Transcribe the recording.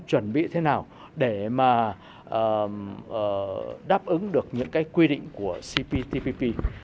chuẩn bị thế nào để mà đáp ứng được những cái quy định của cptpp